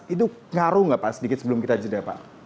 itu ngaruh nggak pak sedikit sebelum kita jeda pak